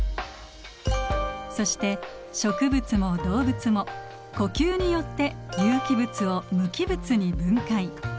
そして植物も動物も呼吸によって有機物を無機物に分解。